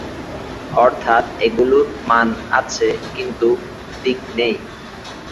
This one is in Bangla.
অর্থাৎ, এগুলির মান আছে কিন্তু দিক নেই।